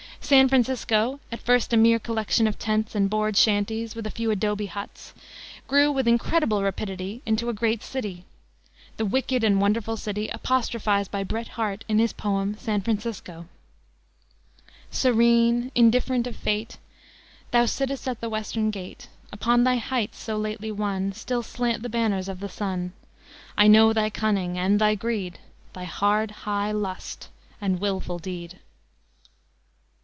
San Francisco, at first a mere collection of tents and board shanties, with a few adobe huts, grew with incredible rapidity into a great city; the wicked and wonderful city apostrophized by Bret Harte in his poem, San Francisco: "Serene, indifferent of Fate, Thou sittest at the Western Gate; Upon thy heights so lately won Still slant the banners of the sun. ... I know thy cunning and thy greed, Thy hard, high lust and willful deed."